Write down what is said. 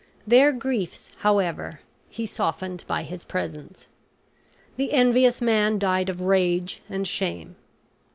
Their griefs, however, he softened by his presents. The envious man died of rage and shame.